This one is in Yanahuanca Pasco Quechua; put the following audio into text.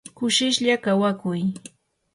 kushishlla kawakuy.